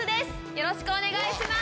よろしくお願いします。